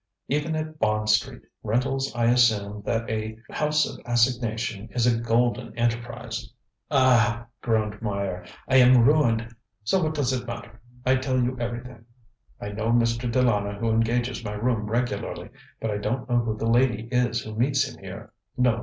Even at Bond Street rentals I assume that a house of assignation is a golden enterprise. ŌĆØ ŌĆ£Ah! ŌĆØ groaned Meyer, ŌĆ£I am ruined, so what does it matter? I tell you everything. I know Mr. De Lana who engages my room regularly, but I don't know who the lady is who meets him here. No!